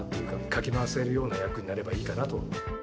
かき回せるような役になればいいかなと。